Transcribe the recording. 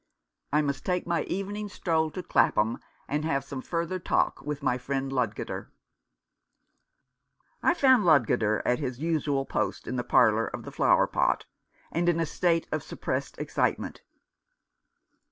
I must take my evening stroll to Clapham, and have some further talk with my friend Ludgater. I found Ludgater at his usual post in the parlour of the Flowerpot, and in a state of suppressed excitement.